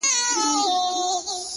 بدكارمو كړی چي وركړي مو هغو ته زړونه ـ